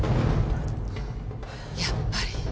やっぱり。